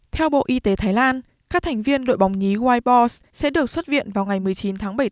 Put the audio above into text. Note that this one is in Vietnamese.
theo bộ y tế thái lan các thành viên đội bóng nhí whitebos sẽ được xuất viện vào ngày một mươi chín tháng bảy